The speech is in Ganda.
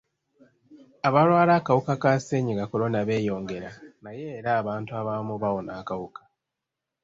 Abalwala akawuka ka ssennyiga kolona beeyongera naye era abantu abamu bawona akawuka.